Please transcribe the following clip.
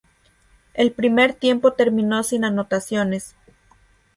El primer tiempo terminó sin anotaciones.